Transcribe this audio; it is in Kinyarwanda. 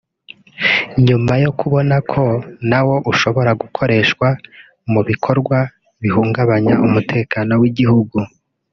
nyuma yo kubona ko na wo ushobora gukoreshwa mu bikorwa bihungabanya umutekano w’igihugu